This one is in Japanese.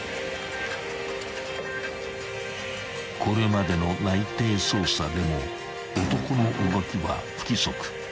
［これまでの内偵捜査でも男の動きは不規則］